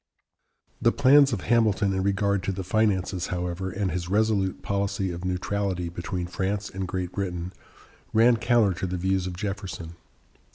The plans of Hamilton in regard to the finances, however, and his resolute policy of neutrality between France and Great Britain, ran counter to the views of Jefferson.